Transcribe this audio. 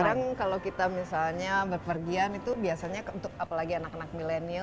sekarang kalau kita misalnya berpergian itu biasanya untuk apalagi anak anak milenial